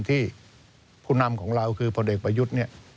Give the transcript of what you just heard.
ที่ผู้นำของเราคือพลเด็กประยุทธ์